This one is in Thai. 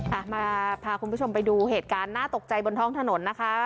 มาพาคุณผู้ชมไปดูเหตุการณ์น่าตกใจบนท้องถนนนะคะ